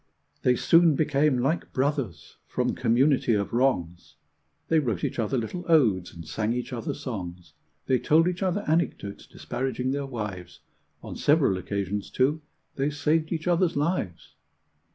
They soon became like brothers from community of wrongs; They wrote each other little odes and sang each other songs; They told each other anecdotes disparaging their wives; On several occasions, too, they saved each other's lives.